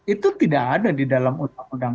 itu tidak ada di dalam undang undang